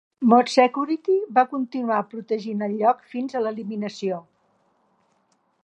ModSecurity va continuar protegint el lloc fins a l'eliminació.